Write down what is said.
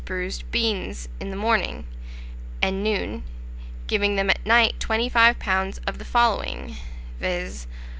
bruised beans, in the morning and noon, giving them at night 25 lbs. of the following; viz.